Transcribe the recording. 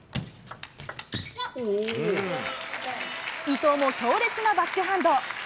伊藤も強烈なバックハンド。